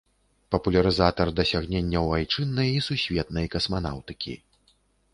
Папулярызатар дасягненняў айчыннай і сусветнай касманаўтыкі.